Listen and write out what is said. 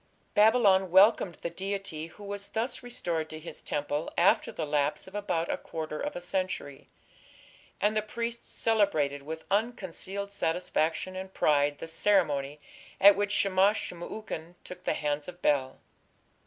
Babylon welcomed the deity who was thus restored to his temple after the lapse of about a quarter of a century, and the priests celebrated with unconcealed satisfaction and pride the ceremony at which Shamash shum ukin "took the hands of Bel".